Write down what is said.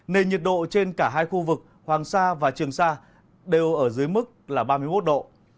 nền nhiệt độ trên cả hai khu vực hoàng sa và trường sa đều ở dưới mức là ba mươi một độ